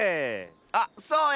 あっそうや！